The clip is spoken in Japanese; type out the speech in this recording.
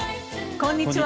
こんにちは。